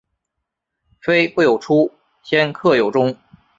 靡不有初鲜克有终